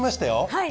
はい。